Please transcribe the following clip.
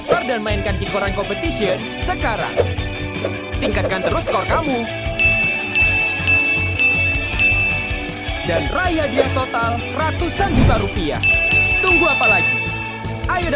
terima kasih untuk mnc group dan kiko